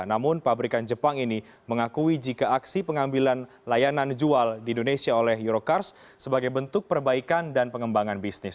namun pabrikan jepang ini mengakui jika aksi pengambilan layanan jual di indonesia oleh eurocars sebagai bentuk perbaikan dan pengembangan bisnis